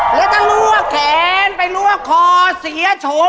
แล้วจะลวกแขนไปลวกคอเสียโฉม